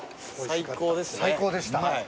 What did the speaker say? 最高でした。